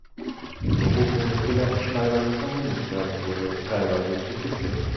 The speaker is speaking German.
Die Berufung des gelernten Schneiders zum Minister wurde teilweise kritisiert.